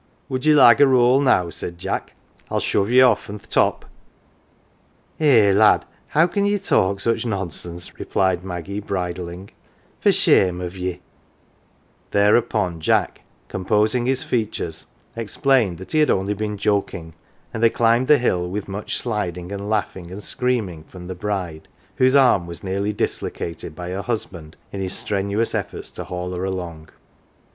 " Would ye like a roll now ?" said Jack ;" I'll shove ye off from th 1 top."" "Eh, lad, how can ye talk such nonsense,"" replied Maggie bridling ;" for shame of ye !" Thereupon Jack, composing his features, explained that he had only been joking ; and they climbed the hill with much sliding and laughing and screaming from the bride, whose arm was nearly dislocated by her husband 205 LITTLE PAUPERS in his strenuous efforts to haul her along.